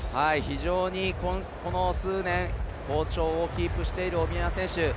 非常にこの数年好調をキープしているオビエナ選手。